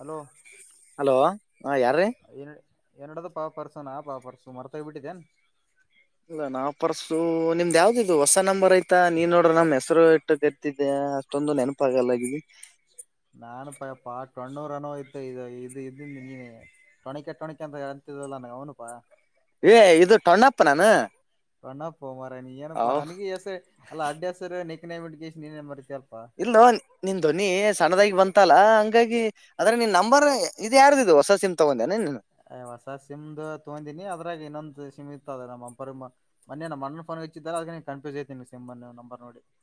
Hello hello ಹಾ ಯಾರು ರೀ. ಎನ್ಡ್ದು ಪಾ ಪರ್ಸುನಾ ಪಾಪರ್ಸು ಮರ್ತ ಹ್ಬ ಬಿಟ್ಟಿದ್ದೇನ್ ಇಲ್ಲ ನಾವು ಪರ್ಸು ನಿಮ್ದ್ ಯಾವ್ದಿದು ಹೊಸ ನಂಬರ್ ಐತ ನೀನ್ ನೋಡ್ರೆ ನಮ್ ಹೆಸರು ಇಟ್ಟು ಗೆತಿದ್ದೆ. ನಾ ಅಷ್ಟೊಂದು ನೆನಪಾಗಲ್ಲಾಗಿ. ಹಣ್ಣೂರು ಅನ್ನೋ ಇದ್ದ ಇದು ಇದ ನೀ ಟೊಣಿೆಕೆ ಟೊಣಿಕೆ ಅಂತ ಅಂತಿದಲ್ಲ ಅವ್ನ್ಯವನಪ್ಪ. ಏ ಇದು ಟೊಣ್ನತನನ. [unintelligible] ಮಾರಯ ನೀಏಪ್ಪಾ ನನಗೆ ಯಸ ಅಲ್ಲ ಅಡ್ಡಾಸರ್ ನಿಕ್ ನೇಮ್ ಇಟ್ಕೆಸಿ ನಿನೆನ್ [unintelligible] ಇಲ್ ನಿನ್ ಧ್ವನಿ ಸಣ್ಣದಾಗಿ ಬಂತಲ್ಲಾ ಹಂಗಾಗಿ ಆದ್ರೆ ನಿನ್ ನಂಬರ್ ಇ ಯಾರ್ದು ಇದು ಹೊಸ ಸಿಮ್ ತಗೊಂಡ್ದೆನ್. ಹೊಸ ಸಿಮ್ದು ತೊಗೊಂಡಿನಿ ಅದ್ರಾಗ ಇನ್ನೊಂದು ಸಿಮ್ ನಮ್ಮ [unintelligible] ನಮ್ಮನ್ಣ ಫೋನ್ ಹಚ್ಚಿದಿದ್ದಾರೆ ಅದ ಕನ್ಫ್ಯೂಸ್ ಐತನಿ ಸಿಮ್ ಮ ನಂಬರ್ ನೋಡಿ. [unintelligible]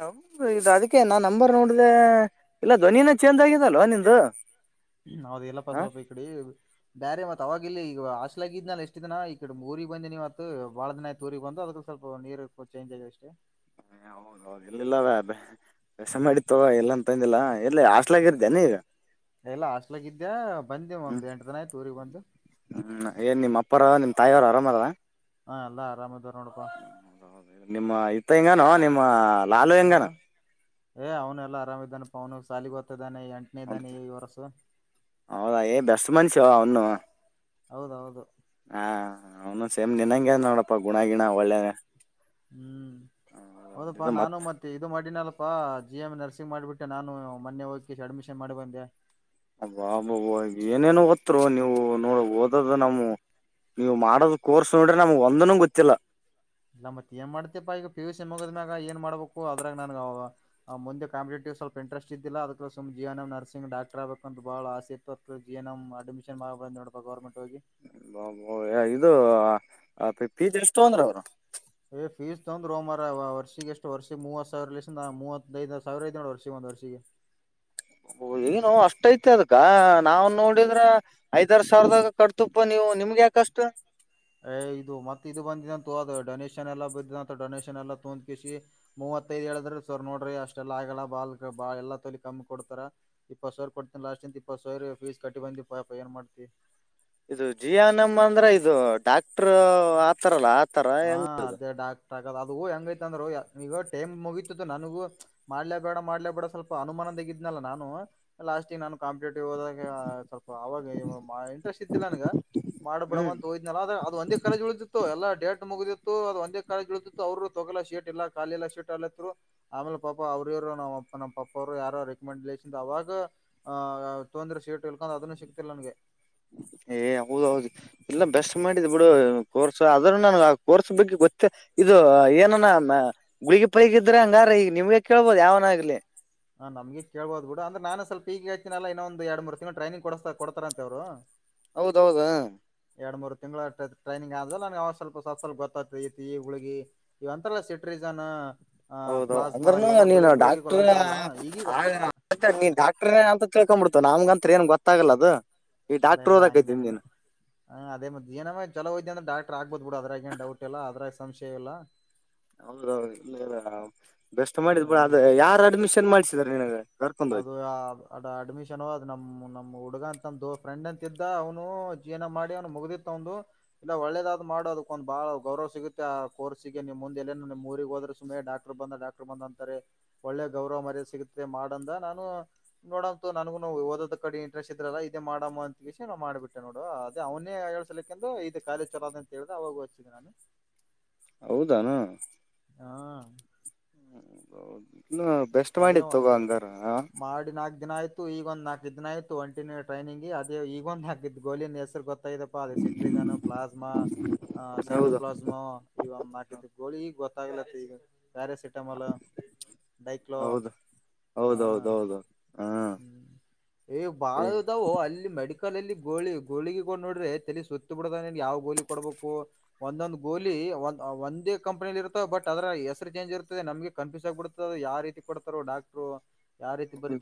ಹ ಇದು ಅದಕ್ಕೆ ನಾ ನಂಬರ್ ನೋಡ್ದೆ ಇಲ್ಲ ಧ್ವನಿನ ಚೇಂಜ್ ಆಗಿದಲ್ಲೊ ನಿಂದು. ಹ್ಮ ಅದು ಎಲ್ಲಪ್ಪ ಹ ಸಲ್ಪ ಈ ಕಡಿ. ಬ್ಯಾರೆ ಮತ್ ಅವಾಗ ಇಲ್ಲಿ ಈಗ ಆಶಲಗಿದ್ನಲ್ಲ ಇಸ್ಟ್ ದಿನ ಈ ಕಡೆ ಊರಿಗೆ ಬಂದಿನಿ ಮತ್ ಬಾಳ ದಿನ ಆತ್ ಊರಿಗೆಗ್ ಬಂದು ಅದ ಸ್ವಲ್ಪ ನೀರು ಚೇಂಜ್ ಆಗಿದೆ ಅಷ್ಟೇ. [inaudible] ಹೌದೌದು ಎಲ್ಲಿಲ್ಲ [unintelligible] ಮಾಡಿತ್ತುವ ಇಲ್ಲ ಅಂತಂದಿಲ್ಲಾ ಎಲ್ಲಿ ಹಾಸ್ಲಗಿದ್ಯೆನ್ ನೀ ಈಗ. ಎಲ್ಲ ಹಾಸ್ಲಕ್ಕ ಇದಿದ್ದ್ಯಾ ಬಂದೇ ಹ್ಮ್ ಒಂದ್ ಎಂಟ ದಿನ ಆಯ್ತು ಊರಿಗೆ ಬಂದು. ತಾಯವರು ಆರಾಮಲ್ಲ. ಹಾ ಎಲ್ಲ ಆರಾಮದರ. ಹ ಹೌದ ಹೌದು ನಿಮ್ಮ ಇತ್ತ ಹಿಂಗಾನ ನಿಮ್ಮ ಲಾಲು ಹೆಂಗಾನ. ಯಾರು ಏ ಅವನುಲ್ಲಾ ಆರಾಮ ಇದಾನ ಪ ಅವನು ಸಾಲಿ ಗೊತ್ತ ಹ ಹೌದಾ ಏ ಬೆಸ್ ಮನುಷ್ಯ ಅವನು. ಹೌದೌದು. ಹಾ ಅವನು ಸೇಮ್ ನಿನಂಗೆ ಅದ್ ನೋಡಪ್ಪ ಗುಣ ಗಿಣ ಒಳ್ಳೇ ಹ್ಮ್ ಹೌದಪ್ಪಾ ನಾನು ಮತ್ ಮತ್ತೆ ಇದು ಮಾಡಿನಲ್ಲ. ಅಪ್ಪಾ ಜಿ ಎಮ್ ನರ್ಸಿಂಗ್ ಮಾಡಿಬಿಟ್ಟೆ ನಾನು ಮೊನ್ನೆ ಹೋಗಿ ಅಡ್ಮಿಷನ್ ಮಾಡಿ ಬಂದೆ. ಅಬಾಬಬ ಏನೇನು ಓತ್ರು ನೀವು ನೋಡ ಓದದ ನಮ್ಮೂ. ನೀವು ಮಾಡೋದ ಕೋರ್ಸ್ ನೋಡ್ರೆ ನಮಗ್ ಒಂದನ ಗೊತ್ತಿಲ್ಲ. ಇಲ್ಲ ಮತ್ತೆ ಏನ್ ಮಾಡ್ತತಿಪ್ಪಾ ಈಗ ಪಿ ಯು ಸಿ ಮುಗದ್ಮ್ಯೆಗ ಏನ್ ಮಾಡ್ಬೇಕು ಅದ್ರಾಗ ನನ್ ಮುಂದೆ ಕಾಂಪಿಟೇಟಿವ್. ಸ್ವಲ್ಪ ಇಂಟ್ರಸ್ ಇದ್ದಿಲ್ಲ ಅದಕ್ಕ್ ಎನ್ ಎಂ ನರ್ಸಿ್ ಡಾಕ್ರ್ಬೇಕ ಅಂತ ಬಹಳ ಆಸಿ ಎನ್ ಎಂ ಅಡ್ಮಿಷನ್ ಮಾಡಿ. ಮೊಬೈಲ್ ನೋಡ್ಕೋ ಗೌರ್ಮೆಂಟ್ ಹೋಗಿ. ಅಬ್ಬಬ್ಬಾ ಇದು ಫಿಸ್ ಎಸ್ಟ್ ತಗೊಂದ್ರು ಅವ್ರು. ಏ ಫೀಸ್ ತೊಂದ್ರರೋ ಮರ ವರ್ಷ ಎಷ್ಟ ವರ್ಷ ಮೂವತ್ ಸಾವಿರ ಲ ಮೂವತ್ತೈದು ಸಾವಿರ ಐತ್ ವಷಿ [unintelligible] ಏನು ಅಷ್ಟೈತೆ ಅದ್ಕ ನಾವ್ ನೋಡಿದ್ರ ಐದಾರ ಸಾವಿರದಾಗ ಕಡ್ತಪ್ಪ ನೀವು. ನಿಮ್ಗೆ ಯಾಕಷ್ಟು. [unintelligible] ಡನೇಷನ್ ಎಲ್ಲ ಬಿದ್ದ ಅಂತ ಡೊನೇಷನ್ ಎಲ್ಲ ತಂದ ಕಿಸಿ ಮೂವತ್ತೈದ್ ಹೇಳಿದ್ರೆ ಸರ್ ನೋಡ್ರಿ ಅಷ್ಟೆ ಎಲ್ಲ. ಬಾಲ್ ಬಾ ಎಲ್ಲ ತೊಲಿ ಕಮ್ಮಿ ಕೊಡ್ತಾರ ಇಪ್ಪತ್ ಸಾವಿರ ಕೊಡ್ತಿ ಲಾಸ್ಟ್ ಇಪ್ಪತ್ತು ಸಾವಿರ ಫೀಸ್ ಕಟ್ಟಿ ಬಂದು. ಅ ಏನ್ ಮಾಡ್ತಿ. ಇದು ಜಿ ಎನ್ ಎಮ್ ಅಂದ್ರೆ ಇದು ಡಾಕ್ಟರ್ ಆತಾರಲ್ಲ. ಆತರ ಹಾ ಹೆಂಗ್ ಅದೇ ಡಾಕ್ಟರ್ ಆಗದ ಅದು ಹೂ ಹೆಂಗೈತ ಅಂದ್ರ. ಈಗೋ ಟೈಮ್ ಮುಗೀತತ್ತು ನನಗು ಮಾಡ್ಲ ಬೇಡ ಮಾಡ್ಲ ಬೇಡ ಸ್ವಲ್ಪ ಅನುಮಾನದಾಗಿದ್ನಲ್ಲ ನಾನು. ಲಾಸ್ಟ ನಾನು ಕಾಂಪಿಟೇಟಿವ್ ಹೋದಾಗ ಸ್ವಲ್ಪ ಅವಾಗ ಇಂಟ್ರೆಸ್ಟ್ ಇದ್ದಿಲ್ಲ ನನಗೆ. ಹ್ಮ್ ಮಾಡ್ಬಿಡುಅಂತ ಹೋದ್ನಲ್ಲ ಅ್ರ ಅದು ಒಂದೇ ಕರೆಜ್ ಉಳಿದಿತ್ತು ಎಲ್ಲ ಡೇಟ್. ಮುಗಿದಿತ್ತು ಅದು ಒಂದೇ ಕಾಲ ಇಳಿದಿತ್ತು ಅವರು ತಗೋಾ ಶೀಟ್ ಇಲ್ಲ ಖಾಲ ಎಲ್ಲ ಶೀಟ್ ಅಲ್ಲರು ಆಮೇಲೆ ಪಾಪ ಅವ್ರರುವರು. ನ ನಮ್ಮ ಪಪ್ಪ ಅವರು ಯಾರ ರೆಕಮೆಂಡೇಶನ್ ಅವಾಗ ತೊಂದ್ರೆ ಸೀಟ್ ಇಳ್ಕೊಂಡ್ ಅದನ್ನು ಸಿಕ್ತ. ಲ್ಲಗೆ. ಏ ಹೌದ್ೌದು ಇಲ್ಲ ಬೆಸ್ಟ್ ಮಾಡಿದ್ ಬಿಡು ಕೋರ್ಸ್ ಆದದ್ರೂ ನನ್ ಆ ಕೋರ್ಸ್ ಬಗ್ಗೆ ಗೊತ್ತೇ. ಇದು ಏನನ ಗುಳಗ ಪೈಗ ಇದ್ರೆ ಹಂಗಾರ ಈಗ ನಿಮ್ಗೆ ಕೇಳ್ಬೋದು ಯಾವನಾಗ್ಲಿ. ಹಾ ನಮ್ಗೆ ಕೇಬೋದು ಬಿಡ ಅಂದ್ರ ನಾನ ಸ್ವಲ್ಪ ಈಗ ಹೆಚ್ಚಿನೆಲ್ಲ ಇನ್ನೊಂದ ಎರ ಮೂರು ತಿಂಗಳು ಟ್ರೈಿಂಗ್ ಕೊಿಸಸ್ತ ಕೊಡ್ತಾರ ಅಂತೆಂತವರು. ಹೌದೌದ. ಎರಡು ಮೂರು ತಿಂಗಳು ಟ್ರೈನಿಂಗ್ ಆದ್ರೆ ನಂಗೆ ಅವ ಸ್ವಲ್ಪ ಸ್ವ ಸ್ಲ್ಪ ಗೊತ್ತತ ಇತಿ ಹುಗಿ ಇವಂಥ ಸಿ್ರ. ನಿಧಾನ. ಹೌದು ಅಂದ್ರನು ನೀನು ಡಾಕ್ಟರ್ ಅಂತಾರಲ್ಲ ಈಗೀಗ ನೀನ್ ಡಾಕ್ಟ್ರ ಅಂತ ತಿೇಳ್ಕೊಂಡ್ಬ ಬಿಡ್ತಿ. ನಮ್ಗಂತತ್ರ ಏನ್ ಗೊತ್ತಾಗಲ್ಲ ಅದು ಈಗ ಡಾಕ್ಟರ್ ಓದಕೈತಿ ನಿ ದನ್. ಹಾ ಅೇ ಮ್ ಜಏನ ಮ ಚಲೋಯದ್ಯ ಅಂದ್ರ ಡಾಕ್ಟರ್ ಆಗ್ಬೋದ್ ಬಿುಡು ಅದಾಗ ಏ ಡೌಟ್ ಇಲ್ಲ ಅದ್ರಾಗ ಸಂಶಯ ಇಲ್ಲ. ಹೌದೌದು ಇಲ್ಲ ಬೆಸ್ಟ್ ಮಾಡಿದ್ ಬಡ ಅದ ಹ್ಮ್ ಯಾರ್ ಅಡ್ಮಿಷನ್ ಮಾಡ್ಿಸಿದ್ರ ನಿಿನಗೆ. ಅದು ಅ ಅಡ್ಮಿಷನ್ ಅದು ನಮ ನಮ್ಮ್ ಹುಡುಗಂತ. ಂದು ಫ್ರೆಂಡ್ ಅಂತಿದ್ದ ಅವ್ನು ಜೀವನ ಮಾಡಿ ಅವ್ನು ಮುಗ್ದಿತ್ತ ಒಂದು ಇಲ್ಲ ಒಳ್ಳೇದಾದ್ ಮಾಡ ಅದಕ್ಕ ಒಂದ್ ಬಾಳ. ಗೌರವ ಸಿಗುತ್ತೆ ಆ ಕೋರ್ಸಿಗೆ ನಿಮ್ ಮುಂದೆಲ್ಲನುಮ್ ಊರಿಗೆ ಹೋದ್ರೆ ಸುಮ್ಮನೆ ಡಾಕ್ಟರ್ ಬಂದ ಡಾಕ್ಟರ್ ಬಂದ ಅಂತಾರೆ. ಒಳ್ಳೆ ಗೌರವ ಮರ್ಯ ಸಿಗುತ್ತೆ ಮಾಡ. ನಡ ನಾನು ನೋಡಂತ ನಗು ಓದ ಕಡೆ ಇಂಟ್ರೆಸ್ಟ್ ಇದ್ರಲ್ಲ ಇದೇ ಮಾಡ ಅಂತಿಸಿ ನಾ ಮಾಡಬಿಟ್ಟೆ ನೋ. ನೋಡು ಅದೇ ಅವನೇ ಹಳ್ಸಲಿಂದು ಇದು ಕಾಲಿಜ ಚೊರ ಅದ ಅಂತ ಹೇಳ್ದೆ ಅವಾಗ ಹ್ಿದೆ ನಾನು ಹೌದಾನ ಹಾ ಹ ಹೌದ ಬೆಸ್ಟ್ ಮಾಡಿ ತಗೋ ಅದೇ ಅಂದಾರ ಈಗೊಂದು ನಾಕು ದಿನ ಆಯ್ು ಒಂಟಿನ್ಯ ಟ್ರೈನಿಂಗ್ ಅೇ ಈಗೊಂದು ಹಾಕ್ಿದ್ದ ಗೋಲಿನ ಹೆಸರು ಗೊ ಐದಪ್ಪ ಅ ಸಿಟ್ರೀಜನ್ ಪ್ಲಾಸ್್ಮಾ ಆ್ ಸೈಟೋ ಹೌದು ಪ್ಲಾಸ್್ಮಾ ಈ ಒಂದ್ ಆಾಕತಿ ಗೋಳಿ ಗೊತ್ತಾಗ್ಲತ್ತ ಈಗ ಪ್ಯಾರಾಸಿಟಾಮಲ್ ಡೈ ಹೌದು ಹೌದೌದೌದೌದು ಹ್ಮ್ ಈ ಬಾಳ ಇಲ್ಲ ಇದದಾವ ಅಲ್ಲಿ ಮೆಡ ಕಾಲಲ್ಲಿ ಗೋಲಿಿ ಗೋಳಿಗೆಗೊಂಡ್ ನೋಡ್ರೆ ತಲ ಸುತ್ತ ಬಿಡ್ದ ಯಾವ ಗೋಲಿ ಕೊಡ್ಬೇಕು ಒಂದೊಂದ್ ಗೋಲಿ ಒಂದೇ ಕಂಪನಿಲ್ಲಿ ಇರ್ತದೆ ಬಟ್ ಅದರ ಹೆಸರು ಚೇಂಜ್ ಇರುತ್ತದೆ ನಮಗೆ ಕನ್್ಯೂಸ್ ಆಗಿಬಡದೆ ಅದು ಯಾವ ರೀತಿ ಕೊಡ್ತಾರ ಡಾಕ್ಟರು ಯಾವ ರೀತಿ ಬರುತ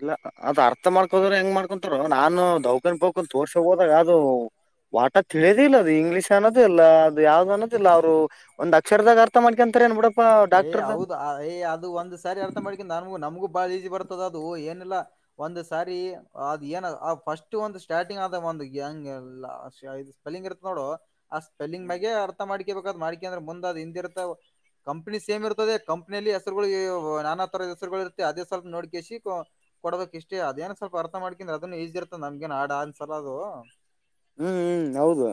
ಇಲ್ಲ ಅದ್ ಅರ್ಥ ಮಾಡ್ಕೋದ್ರೆ ಹೆಂಗ್ ಮಾಡ್ಕ ಹಕರು ನಾನು ದೌಕನ್ ಬಕೊಂಡ ತೋರ್ಸ ಹೋದಾಗ ಅದು ವಾಟ ತಿಳಿದಿಲ್ಲಲ್ಲ ಅದು ಇಂಗ್ಲೀಷ್ ಅನ್ನೋದ ಇಿಲ್ಲ ಅದು ಯಾವ್ದ್ ಅನ್ನೋದಿಲ್ಲ ಅವ್ರು ಒಂದ್ ಅಕ್ಷರದಾಗ ಅರ್ಥ ಮಾಡ್ಕೊಂತಾರೆ ಏನ್ ಬಿಿಡ ಏ್ ಹೌದು ಏ್ ಅದು ಒಂದ್ ಸಾರಿ ಅರ್ಥ ಮಾಡ್ಕ ನನ್ಗು ನಮಗೂ ಬಹಳ ಈಸಿ ಬರ್ತದ ಅದು ಏನಿಲ್ಲ ಒಂದ್ ಸಾರಿ ಅದು್ ಏನ ಫಸ್ಟ್ ಒಂದ ಸ್ಟಾರ್ಟಿಂಗ್ ಆದ ಒಂದ್ ಗಂಗ್ ಎಲ್ಲ ಇದು ಸ್ಪೆಲ್ಲಿಂಗ್ ಇರುತ್ತ ನೋಡು ಆ ಸ್ಪೆಲ್ಲಿಂಗ್ ಹ್ಮ್ ಮಾಗೆ ಅರ್ಥ ಮಾಡ್ಕೇಬೇಕದ್ ಮಾಡ್ಕ ಅಂದ್ರೆ ಮುಂದ್ ಅ್ ಹಿಂದಿರ್ತ ಕಂಪ್ನಿ ಸೇಮ್ ಇರ್ತದೆ ಕಂಪ್ನಿಯಲ್ಲಿ ಹೆಸರುಗಳು ನಾನಾ ತರದ ಹೆಸರುಗಳು ಇರುತ್ತೆ ಅದೇ ಸ್ವಲ್ಪ ನೋಡ್ ಕಸಿ ಕೊಡ್ಬೇಕಕ್ಷ್ಟೇ ಅದೇಏನ್ ಸ್ವಲ್ಪ ಅರ್ಥ ಮಾಡ್ಕಂದ್ರ ಅದನ್ನು ಈಜಿರ್ತ ನಮಗಗೆನ್ಾ ಅನ್ಸಲ ಅದು ಹ್ಮ್ ಹ್ಮ್ ಹೌದು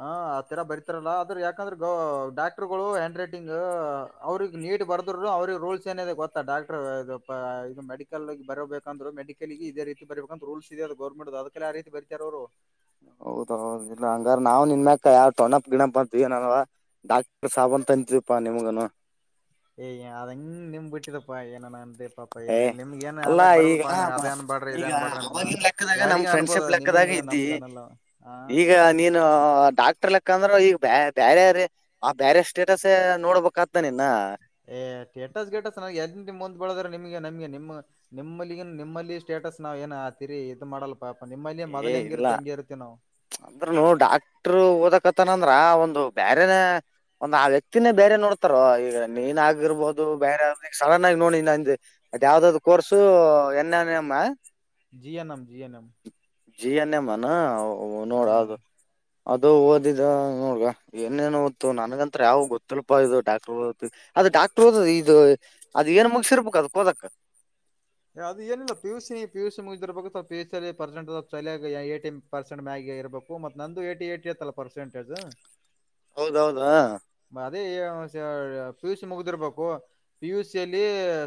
ಹ ಆತರ ಬರಿತಾರಲ್ಲ ಆದ್ರೆ ಯಾಕಂದ್ರ ಗ ಡಾಕ್ಟರ್ ಗಳು ಹ್ಯಾಂಡ್ ರೈಟಿಂಗ್ ಇ ಅವ್ರಗ್ ನೀಟ್ ಬರ್ದರುರು ಅವ್ರಿಗೆ ರೂಲ್ಸ್ ಏನಿದೆ ಗೊತ್ತಾ ಡಾಕ್ಟರ್ ಇದು ಇದು ಮೆಡಿಕಲ್ ಬರಬೇಕಂದ್ರೆ ಮೆಿಕಲಿಿಗೆ ಇದೇ ರೀತಿ ಬರಬೇಕಂದ್ರೂಲ್ಸ್ದೆದು ಗೌರ್ಮೆಂಟ್ ಅದಕ್ಕೆಲ್ಲ ಯ ರೀತಿ ಬರಿತಾರ ಅವರು ಹೌದೌದ ಇಲ್ಲ ಹಂಗಾರ ನಾವು ನಿನ್ ಮ್ಯಾಕ ಯಾವ ಟೊಣನಪ್ ಗಿಣಪ್ ಬಂತೀವಿಏನವಾ ಡಾಕ್ಟರ್ ಸಾಬ ಅಂತ ಕಚ ರೂಪ ನಿಮಗನು ಏಯ ಅದಂಗ್ ನಿಂಬ್ ಬಿಟ್ಟಿದಪ್ಪಾ ಏನ ನ ರ ಪಾಪ ಏ ಏನ ಇ ನಿಮ್ ಏನ್ ಅಲ್ಲಾ ಅಲ್ಲಾಕ್ ಬರಲ್ಲ ಈಗ ಪಾ ನೀವು ಮ- ಅದೇನ್ ಬಡ್ರಿ ಈಗ ಇದೇನ್ ಬಡ್ರಿ ಅಂತ ಅವವಾಗಿನ ಲೆಕ್ಕದಾಗ ನಮ್ ಯಾರಿಗ ಅನ್ಬೋದ ಫ್ರೆಂಡ್ಶಿಪ್ ನಿಮ ಲೆಕ್ಕದಾಗ ಈಗ ನೀನು ಡಾಕ್ ಹಕ್ಕ ಅಂದ್ರ ಈಗ ಬ ಬೇರೆ ಆ ಬೇರ ಸ್ಟೇಟಸ್ ನೋಡ್ಬೇಕ ಆತ ನಿ ಇನ್ನ ಏ್ ಕೆಟಸ್ ಕೆೇಟಸ್ ನ ಎ ನಿಮಂದ ಬಳದ್ರೆ ನಿಮಗೆ ನಮಗೆ ನಿಮ ನಿಮ್ಮ ನಿಮ್ಮಲ್ಲಿ ಸ್ಟೇಟಸ್ ನಾವ್ ಏನೀರಿ ಇದು ಮಾಡಲ್ಲ ಪಾಪ ನಿಮ್ಮಲ್ಲಿ ಏ ಮೊದಲ್ ಇಲ್ಲ ಹೆಂಗಿರುತ್ತೆ ಹಂಗೆ ಇರುತ್ತೆ ನಾವು ಅಂದ್ರನು ಡಾಕ್ಟರು ಓದಕತನಂದ ಒಂದು ಬೇರೆನೆ ಒಂದು ಆ ವ್ಯಕ್ತಿನೇ ಬೇರೆ ನೋಡ್ತಾರ ಈಗ ನೀನ್ ಆಗಿರ್ಬಹದು ಬೇರೆ ಸಡನ್ ಆಗಿ ನೋಡಿ ನಂದು ಮತ್ತ ಯಾವ್ದ್ ಕೋರ್ಸು ಎನ್ನಮ್ಮ G N M G N M G N ಎಮ್ಮಾನ ಹಾ ನೋಡ ಅದು ಅದು ಓದಿದ ನೋಡ್ಗ ಏನೇನ್ ತ್ತು ನ್ಗಂತತ್ರ ಯಾವ ಗೊತ್ತಲುಪ ಇದು ಡಾಕ್ಟರ್ ಓದ ಡಾಕ್ಟರ್ ಹಓದ್ ಇದು ಅದ್ ಏನ್ ಮುಗಸಿರ್ಬೇಕಕ್ ಅದ ಕೋದಕ್ ಫ ಅದು ಏಲ್ಲ ಪಿಯು ಸಿ ಪು ಸಿಮುಗಿದಿರ್ಬೇಕು ಪು ಸಿಲ್ಲಿ ಪರ್ಸೆಂಟ್ ಚಲ ಏಟಿ ಪರ್ಸೆಂಟ್ ಮ್ಯ ಇರ್ಬೇಕು ಮತ್ ನಂದು ಏ ಏಇತ್ತಲ್ಲ ಪರ್ಸೆಂಟೇಜ್ ಹೌದೌದಾ ಅದೇ ಪಿ ಯು ಸಿ ಮುಗ್ದಿರ್ಬೇಕು ಪಿ ಯುಸಿಯಲ್ಲಿ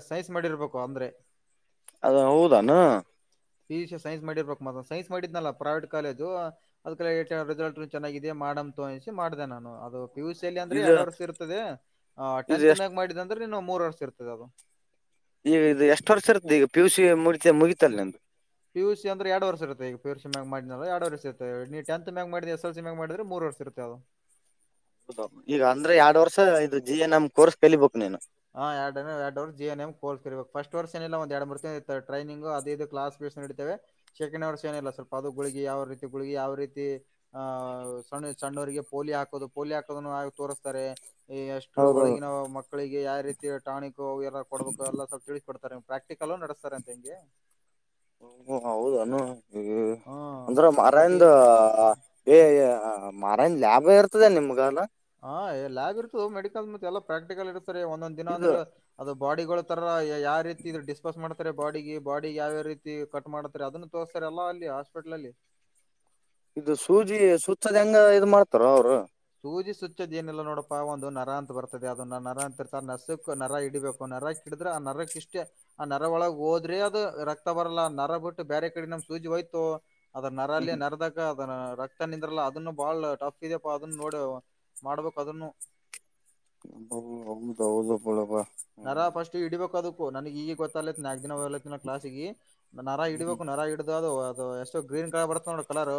ಸೈನ್ಸ್ ಮಾಡಿರ್ಬೇಕು ಕೊಂದರೆ ಅದ ಹೌದಾನ ಪ ಸೈನ್ಸ್ ಮಾಡಿರ್ಬೇಕು ಮ ಸೈನ್ಸ್ ಮಾಡಿದ್ನಲ್ಲ ಪ್ರೈವೇಟ್ ಕಾಲೇಜು ಅದಕ ರಿಸಲ್ಟ್ ಚೆನ್ನಾಗಿದೆ ಮಾಡಡಮ ತೋರಿಸಿ ಮಾಡಿದೆ ನಾನು ಅದು ಪಿ ಯು ಸಿ ಅಲ್ಲಿ ಅಂದ್ರೆ ಇದು ಎರಡು ವರ್ಷ ಇರ್ತದೆ ಅ ಇದು ಟೆಂತ್ ಎಷ್ಟ್ ಮಕ್ ಮಾಡಿದ ಅಂದ್ರೆ ನೀನು ಮೂರ್ ವರ್ಷ ಇರ್ತದ ಅದು ಈಗ ಇದು ಎಷ್ಟು ವರ್ಷ ಇರುತ್ತದೆ ಈಗ ಪಿುಸ ಮುಗಿತ ಮುಗಿತಲ್ ನ ಪ ಯು ಸಿ ಅಂದೆ ಎರ ವರ್ರುತ್ತ ಈ ಪ ಯು ಸಿ ಮ ಮಾಡಿನಲ್ಲ ಎರಡುರ್ ಇರುತ್ತ ನೀವು ಟಂತ್ ಮಕ್ ಮಾಡಿದ್ದ ಎಸ್ ಎಲ್ ಸಿ ಮಕ್ ಮಾಡಿದ್ರೆ ಮೂರುರ್ ಇರುತ್ತೆ ಅದು ಹ ಹೌದ ಈಗ ಅಂದ್ರೆ ಎರಡ್ ವರ್ಷ ಇದು ಜಿ ಎನ್ ಎಮ್ ಕೋರ್ಸ್ ಕಲಿಬೇಕಕ್ ನೀನು ಹ ಎರಡ ಎರಡು ವರ್ ಜಿ ಎನ್ ಎಮ ಕೋಲ್ಸಕ ಫಸ್ಟ್ ವರ್ಷ ಏಲ್ಲ ಒಂದ ಎರಡು ಮೂರ್ ಟ್ರೈನಿಂಗ್ ಅದದು ಕ್ಸ್ ನಡತೇವೆ ಶಕ ವರ್ಷ ಏನಿಲ್ಲ ಸ್ವಲ್ಪ ಅದು ಗುಳಿ ಯಾವ ರೀತಿ ಗುಳಿಗೆಯಾವ ರೀತಿ ಸಣ್ಣ ಸಣ್ಣರಿಗೆ ಪೋಲಿಯೋ ಹಾಕೋದು ಪೋಲಿಯೋ ಹಾಕದನ್ನು ತೋರಿಸ್ತಾರೆ ಎಷ್ಟರ ಹೌದೌದು ಒಳಗಿನ ಮಕ್ಕಳಿಗೆ ಯಾರ ಟಾಣಿಕಕ್ ಎಲ್ಲ ಕೊಡ್ಬೇಕು ಎಲ್ಲ ಸ್ವಲ್ಪ ತಿಳಿಸ ಕೊಡ್ತ ಪ್ರಾಕ್ಟಿಕಲ್ಲು ನಡೆಸ್ತಾರೆ ಅಂತ ಹೆಂಗೆ ಹ ಹೌದಾನ ಹ ಹ್ಮ ಅಂದ್ರೆ ಮಾರಾಯಂದ್ ಮತ್ತೆ ಏ ಮರನ್ ಲಾಭ ಇರ್ತದೆ ನಿಮ್ಗಾಲ ಹಾ ಎಲ್ಯಬ್ ಇರ್ತದೆ ಮೆಡಿಕಲ್ ಮತ್ತೆ ಎಲ್ಲಾ ಪ್ರಾಕ್ಟಿಕಲ್ ಇರ್ತರಿ ಒಂದೊಂದ್ ದಿನ ಇದು ಅಂದ್ರೆ ಅದು ಬಾಡಿಗಳು ತರ ಯಾವ ರೀತಿ ಇದ ಡಿಸ್ಪಸ್ ಮಾಡ್ತಾರೆ ಬಾಡಿಗೆ ಬಾಡಿಗೆ ಯಾವ್ಯಾವ ರೀತಿ ಕಟ್ ಮಾಡ್ತಾರೆ ಅದನ್ನು ತೋರ್ಸ ಲ್ಲ ಅಲ್ಲಿ ಹಾಸ್ಪಿಟ್ಲ್ ಅಲ್ಲಿ ಇದು ಸೂಜಿ ಸುಚ್ಚದ ಹೆಂಗ ಇ ಮಾಡ್ತಾರ ಅವರು ಪೂಜೆ ಸುಚ್ಚೋಏನಿಲ್ಲ ನೋಡಪ್ಪಾ ಒಂದು ನರ ಅಂತ ಬರ್ತದೆ ಅದ ನರ ಅಂತ ಇರ್ತಾರೆ ನಸಕ್ ನರ ಇಡಿಬೇಕು ನರ ಡ್ರೆ ಆ ನರಕ್ಕ ಇಷ್ಟೇ ಆ ನರ ಒಳಗೆ ಹೋದ್ರೆ ಅದು ರಕ್ತ ಬರಲ್ಲ ಆ ನರ ಬಿಟ್ಟು ಬೇರೆ ಕಡೆ ನಮ್ ಸೂಜಿ ಹಯ್ತು ಅದ ಹ್ಮ್ ನರಲ್ಲಿ ನರದಾಗ ಅದ ರಕ್ತ ನಿಂದ್ರಲ್ಲ ಅದನ್ನು ಬಾಳ ಟಫ್ ಇದೆ ಪ ಅದನ್ನು ನೋಡ ಮಾಡ್ಬೇಕು ಅದನ್ನು ಹೌದೌದು ಪಳಬ ನರ ಫಸ್ಟ್ ಇಡಿಬೇಕ್ದಕ್ಕೂ ನನಗ್ ಈಗ ಗೊತ್ತೇತ್ ನ ಕ್ಲಾಸ್ಗ ನರ ಇಡಬೇಕು ನರ ಹಡ್ದ ಅದು ಅದು ಎಷ್ಟು ಗ್ರೀನ್ ಕಲರ್ ಬರುತ್ತೆ ನೋಡ ಕಲರ್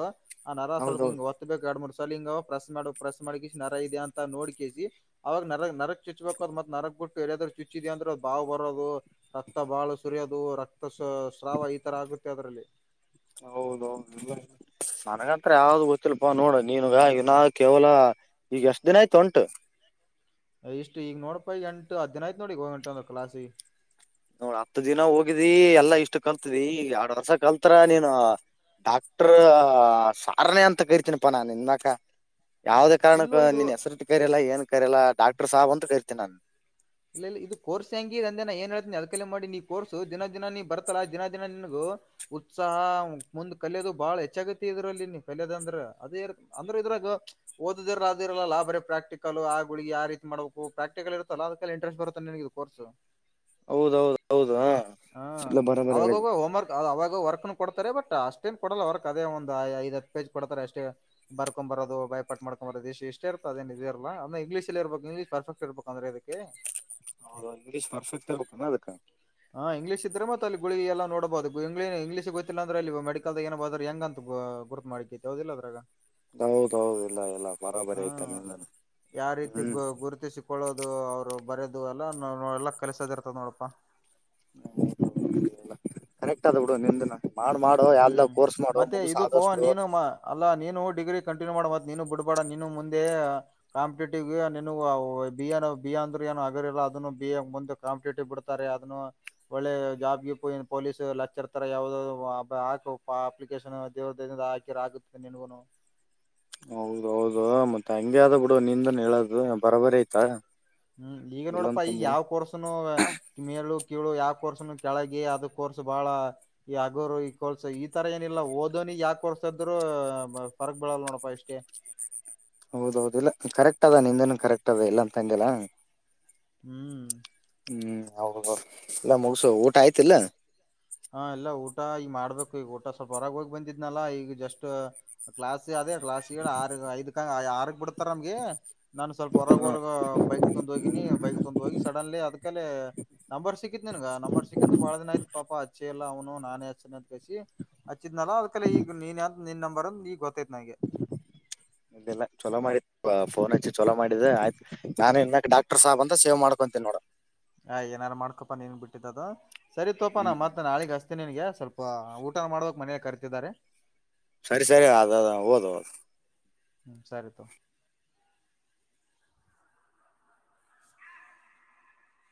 ಆ ನರ ಸವಲ್ ಹಿಂಗ ಹೌದೌದು ಒತ್ತ ಬೇಕ ಎಡ ಲಿಂಗ ಪ್ರೆಸ್ ಮಾಡ ಪ್ರೆಸ್ ಮಾಡ ನರ ಇದೆ ಅಂತ ನೋಡ್ ಕಿಸಿ ಅವಾಗ ನರ ನರ ಚುಚ್ಬೇಕು ಅದು ಮತ್ತ ನರಕ್ ಬಿಟ್ಟು ಎಲ್ಲಾದ್ರು ಚುಚ್ಚಿದ ಅಂದ್ರ ಅದು ಬಾವ ಬರೋದು ರಕ್ತಾ ಬಾಳ ಸುರಿಯೋದು ರಕ್ತ. ಕ್ತ ಸ್ ಸ್ರಾವ ಈತರ ಆಗುತ್ತೆ ಅದರಲ್ಲಿ. ಹೌದೌದು ಇಲ್ಲ ಇಲ್ಲ ನನಗಂತ್ರ ಯಾವ್ದು ಗೊತ್ತಿಲ್ಲ - ಪ್ಪ ನೋಡ ನೀನುಗ ಹ್ಮ್ ಈನಾ ಕೇವಲ ಈಗ ಎಷ್ಟ ದಿನ ಆಯ್ತು ಹೊಂಟು. ಇಷ್ಟ ಈಗ ನೋಡಪ ಈಗ ಎಂಟು ಹದ್ದಿನ ಆಯ್ತ ನೋಡಿ ಹೋಗ ಹೊಂಟಂದ್ರ ಕ್ಲಾಸಿಗ. ನೋಡ್ ಹತ್ತು ದಿನ ಹೋಗಿದಿ ಎಲ್ಲಾ ಇಷ್ಟು ಕಲ್ತಿದಿ ಈ ಎರಡ್ ವರ್ಷ ಕಲ್ತರ ನೀನ. ಡಾಕ್ಟರ್ ಸಾರನೆೇ ಅಂತ ಕರಿತೀನಪ್ಪಾ ನಾನು ಇನ್ಮ್ಯಕ. ಯಾವುದೇ ಇಲ್ಲೋ ಕಾರಣಕ್ಕ ಇದು ನೀನ್ ಹೆಸರು ಕರಿಯಲ್ಲ ಏನ್ ಕರಿಯಲ್ಲ ಡಾಕ್ಟರ್ ಸಾಬ್ ಅಂತ ಕರಿತೀನಿ ನಾನು. ಇಲ್ಲ ಇಲ್ಲ ಇದು ಕೋರ್ಸ್ ಹೆಂಗಿದೇ ಅಂದೆನ ಏನ್ ಹೇಳ್ತನಿ ಅದಕಲೆ ಮಾಡಿನೀ ಕೋರ್ಸು ದಿನ ದಿನ ನೀ ಬರ್ತಲ್ಲಾ ದಿನ ದಿನ ನಿನಗ. ಗೂ ಉತ್ಸಾಹ ಮುಂದ್ ಕಲಿಯೋದು ಬಾಳ ಹೆಚ್ಚಾಗತಿ ಇದ್ರಲ್ಲಿ ನೀ ಕಲೆದ ಅಂದ್ರ ಅದೇ ಇರ್ತ ಅಂದ್ರ. ಇದ್ರಾಗ ಓದದಿರಲ್ಲ ಅದು ಇರಲ್ಲಲ ಬರೆ ಪ್ರಾಕ್ಟಿಕಲ್ ಆ ಗುಳಗೀ ಯಾ ರೀತಿ ಮಾಡಬೇಕು ಪ್ರಾಕ್ಟಿಕಲ್ ಇರುತ್ತಲ್ಲ. ಕಲ್ಯ ಇಂಟ್ರೆಸ್ಟ್ ಬರುತ್ತ ನಿನಗಿದು ಕೋರ್ಸು. ಹೌದೌದು ಹೌದು ಹ ಇಲ್ಲ ಬರೋಬರಿ ಹೇಳಿದಿ ಅವಾಗವಗ ಹೋಮ್ವರ್ಕ್ ಅವಾಗ ವರ್ಕ್ನು ಕೊಡ್ತಾರೆ ಬಟ್. ಟ ಅಷ್ಟೇನ್ ಕೊಡೋಲ್ಲ ವರ್ಕ್ ಅದೇ ಒಂದ ಐದ ಹತ್ತ ಪೇಜ್ ಕೊಡ್ತಾರೆ ಅಷ್ಟೇ ಬರ್ಕೊಮ್ ಬರೋದು ಬಾಯಪಟ ಮಾಡ್ಕೊ ಬರೋದು ಈಶ್ ಇಷ್ಟೆ ಇರ್ತದ ಅದೇನ್ ಇದ ಇರ್ಲಾ ಅದ್ನೆ ಇಂಗ್ಲಿಷಲ್ಲೆ ಇರ್ಬೇಕ ಇಂಗ್ಲಿಷ್ ಪರಪೆಕ್ಟ್ ಇರ್ಬೇಕ ಅಂದ್ರೆ ಇದಕ್ಕೆ. ಹೌದು ಇಂಗ್ಲೀಷ್ ಪರ್ಫೆಕ್ಟ್ ಇರ್ಬೇಕನ ಅದಕ್ಕ ಹಾ ಇಂಗ್ಲಿಷ್ ಇದ್ರೆ ಮತ್ತ ಅಲ್ಲಿ ಗುಳಿಗಿ ಎಲ್ಲ ನೋಡ್ ಡಬಹುದು ಇಂಗ್ಲಿ ಇಂಗ್ಲಷೆ ಗೊತ್ತಿಲ್ಲ ಅಂದ್ರಲ್ಲಿ ಮಡಿಕಲ್ದಗ ಏನ್ ಬರ್ದರ್ ಹೆಂಗಂತ ಗು ಗುರ್ತ ಮಾಡಕೇತಿ ಹೌದಿಲ್ಲ ಅದ್ರಗ. ಹೌದೌದು ಇಲ್ಲ ಇಲ್ಲ ಬರಾಬರಿ ಹಾ ಆಯ್ತಾ ನಿನ್ನನ್ನ. ಯಾವ ರೀತಿ ಗು ಗುರುತಿಸಿಕೊಳ್ಳೋದು ಅವ್ರ. ರು ಬರೆದು ಎಲ್ಲ ನೊ ಎಲ್ಲಾ ಕಲಸೋದ ಇರ್ತದ ನೋಡಪ್ಪಾ. ಕರೆಕ್ಟ್ ಆದ ಬಿಡು ನಿಂದನು. ಹ್ಮ್ ಮತ್ತೆ ಇದುಪೊ ಆದಷ್ಟು ನೀನು ಮ ಅಲ್ಲಾ ನೀನು ಡಿಗ್ರಿ ಕಂಟಿನ್ಯೂ ಮಾಡ ಮತ್ ನೀನು ಬಿಡ್ ಕೂಡ ನೀನು ಮುಂದೆ ಕಾಂಪಿಟೇಟಿವಗೆ ನೀನಗ ಅವು ಬಿ ಎ ನವ ಬಿ ಎ ಅಂದ್ರು ಏನು ಹಗರಿಲ್ಲ ಅದನ್ನು ಬಿ ಎಕ ಮುಂದ ಕಾಂಪಿಟೇಟಿವ್ ಬಿಡ್ತಾರೆ ಅದನ್ನು ಒಳ್ಳೆ ಜಾಬ್ ಗಿಬು ಪೊಲೀಸು ಲಕ್ಚರ್ ತರ ಯಾವದ ದ ಹಾಕೋಪ ಅಪ್ಲಿಕೇಶನ್ ದೇವರ ದಯೆದಿಂದ ಹಾಕಿರ ಆಗುತ್ತೆ ನಿನಗುನು. ಹೌದ ಹೌದು ಮತ್ತ ಹಂಗೆ ಅದ ಬಿಡು ನಿಂದನ್ ಹೇಳದು ಬರಬರಿ ಆಯ್ತಾ. ಹ್ಮ್ ಈಗ ನೋಡಪ್ಪಾ ಈಗ ಯಾವ್ ಕೋರ್ಸನು ಮೇಲು ಕಿಳು ಯಾವ ಕೋರ್ಸ್ನು ಕೆಳಗೆ ಅದ ಕೋರ್ಸ್ ಬಾಳ ಈ ಅಗೋರು ಈ ಕೋರ್ಸ್ ಈ ತರ ಏನಿಲ್ಲ ಓದ ನೀ ಯಾ ಕೊರ್ಸದ್ದರು ಫರಕ್ ಬೀಳಲ್ ನೋಡಪ್ಪಾ ಇಷ್ಟೆ. ಹೌದೌದು ಇಲ್ಲ ಕರೆಕ್ಟ್ ಅದ ನಿಂದನ ಕರೆಕ್ಟ್ ಅದ ಇಲ್ಲಾಂತ ಅಂದಿಲ್ಲ. ಹ್ಮ್ ಇಲ್ಲ ಮುಗುಸು ಊಟ ಆಯ್ತಿಲ್ಲ. ಹ ಇಲ್ಲ ಊಟ ಈಗ ಮಾಡ್ಬೇಕು ಈಗ ಊಟ ಸ್ವಲ್ಪ ಹೊರಗ ಹೋಗಿ ಬಂದಿದ್ನಲ್ಲಾ ಈಗ ಜಸ್ಟ್ ಕ್ಲಾಸ್ ಅದೇ ಕ್ಲಾಸಿಗ ಆರ್ ಐದಕ ಆರಕ್ ಬಿಡ್ತಾರ ನಮ್ಗೆ. ನಾನು ಸ್ವಲ್ಪ ಹೊರಗ ಹಾ ಹೊರಗ ಬೈಕ್ ತೋಂದ ಹೋಗಿನಿ ಬೈಕ್ ತೊಂದ್ ಹೋಗಿ ಸಡನ್ಲಿ ಅದಕಲೆ ನಂಬರ್ ಸಿಕ್ಕಿತನೆ ನನಗ್ ನಂಬರ್ ಸಿಕ್ಕಿತ್ತು ಬಾಳ ದಿನ ಆಯತ ಪಾಪ ಹ ಹಚ್ಚೆ ಇಲ್ಲ ಅವನು ನಾನೇ ಹಚ್ಚನಂತ ಕೇಸಿ ಹಚ್ಚಿದ್ನಲ್ಲ ಅದಕಲೆ ಈಗ ನೀನ್ ನಿನ್ ನಂಬರ ಈಗ ಗೊತ್ತ ಇಲ್ಲಿಲ್ಲ ಚಲೋ ಮಾಡಿ ಫೋನ್ ಹಚ್ಚಿ ಚಲೋ ಮಾಡಿದೆ ಆಯ್ತ್ ನಾನ್ ಇನ್ನಮ್ಯಕ್ ಡಾಕ್ಟರ್ ಸಾಬ್ ಅಂತ ಸೇವ್ ಮಾಡ್ಕೊಂತೀನ ನೋಡ. ಹ ಏನಾರು ಮಾಡ್ಕೊಪ ನೀನ್ಗ ಬಿಟ್ಟಿದ್ದ ಅದು ಸರಿ ತೋಪ ನಾ ಹ್ಮ್ ಮತ್ತ ನಾಳಿಗ್ ಹಸ ತೀನಿ ನಿನಗೆ ಸ್ವಲ್ಪ ಊಟ ಮಾಡ್ಬೇಕ್ ಮನೀಯಾಗ ಕರಿತಿದ್ದಾರೆ. ಸರಿ ಸರಿ ಅದ ದ ಓದು ಓದು. ಹ್ಮ ಸರಿ ತೋ